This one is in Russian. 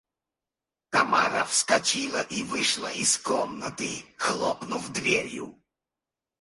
Тамара вскочила и вышла из комнаты, хлопнув дверью.